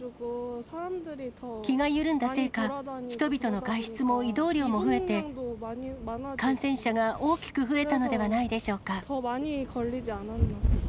気が緩んだせいか、人々の外出も移動量も増えて、感染者が大きく増えたのではないでしょうか。